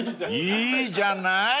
［いいじゃない］